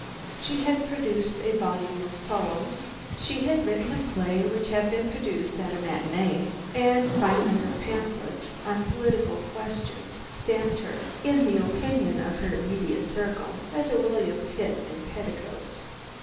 She had produced a volume of poems; she had written a play which had been produced at a matinee; and finally her pamphlets on political questions stamped her, in the opinion of her immediate circle, as a William Pitt in petticoats.